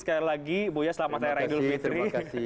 sekali lagi bu yasha selamat hari idul fitri